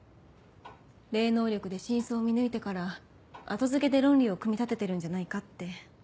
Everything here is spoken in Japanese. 霊能力で真相を見抜いてから後付けで論理を組み立ててるんじゃないかって。